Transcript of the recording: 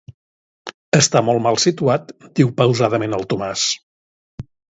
Està molt mal situat –diu pausadament el Tomàs–.